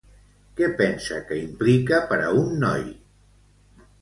Què pensa que implica per a un noi?